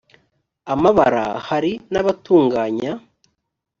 amabara hari n abatunganyaga